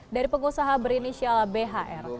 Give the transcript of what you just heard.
dari pengusaha berinisial bhr